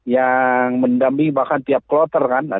yang mendamping bahkan tiap kloter kan